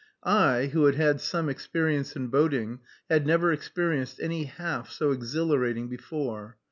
I, who had had some experience in boating, had never experienced any half so exhilarating before.